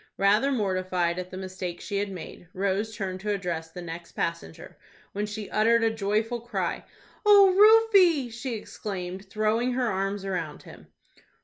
Rather mortified at the mistake she had made, Rose turned to address the next passenger, when she uttered a joyful cry. "O Rufie!" she exclaimed, throwing her arms around him.